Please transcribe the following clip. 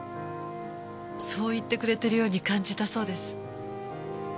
そう言ってくれてるように感じたそうです。